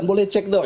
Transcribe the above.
boleh cek dong